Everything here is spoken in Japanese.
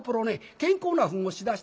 健康なフンをしだした。